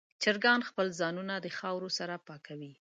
چرګان خپل ځانونه د خاورو سره پاکوي.